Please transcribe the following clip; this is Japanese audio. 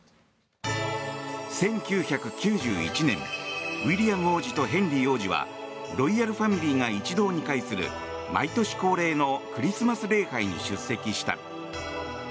１９９１年、ウィリアム王子とヘンリー王子はロイヤルファミリーが一堂に会する毎年恒例のクリスマス礼拝に出席した。